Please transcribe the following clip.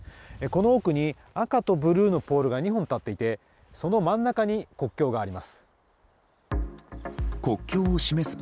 この奥に赤とブルーのポールが２本立っていてその真ん中に国境があります。